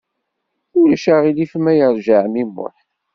Ulac aɣilif ma yeṛja ɛemmi Muḥ.